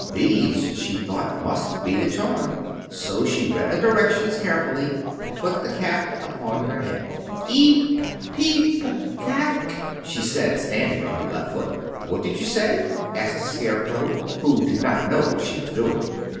These, she thought, must be the charm, so she read the directions carefully and put the Cap upon her head. "Ep pe, pep pe, kak ke!" she said, standing on her left foot. "What did you say?" asked the Scarecrow, who did not know what she was doing.